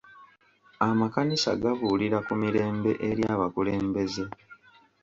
Amakanisa gabuulira ku mirembe eri abakulembeze.